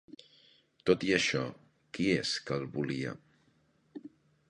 Tot i això, qui és que el volia?